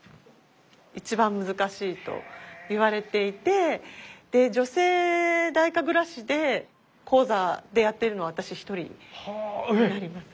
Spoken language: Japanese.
一番難しいといわれていて女性太神楽師で高座でやってるのは私一人になります。